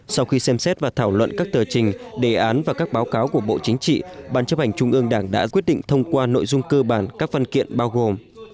sau khi xem xét và thảo luận các tờ trình đề án và các báo cáo của bộ chính trị ban chấp hành trung ương đảng đã quyết định thông qua nội dung cơ bản các văn kiện bao gồm